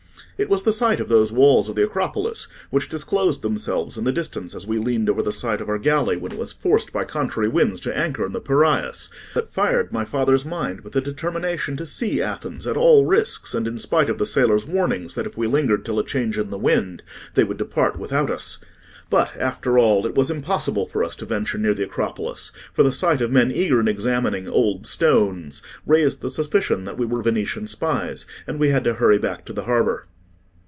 It was the sight of those walls of the Acropolis, which disclosed themselves in the distance as we leaned over the side of our galley when it was forced by contrary winds to anchor in the Piraeus, that fired my father's mind with the determination to see Athens at all risks, and in spite of the sailors' warnings that if we lingered till a change of wind, they would depart without us: but, after all, it was impossible for us to venture near the Acropolis, for the sight of men eager in examining 'old stones' raised the suspicion that we were Venetian spies, and we had to hurry back to the harbour."